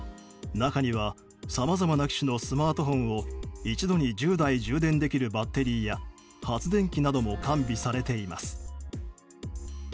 中には、さまざまな機種のスマートフォンを一度に１０台充電できるバッテリーや発電機なども完備されています。